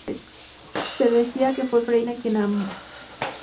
Se decía que fue Freyja quien enseñó magia a los Æsir.